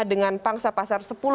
dengan pangsa pasar sepuluh lima persen